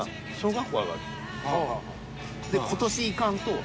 で今年行かんと。